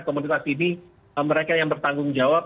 komunitas ini mereka yang bertanggung jawab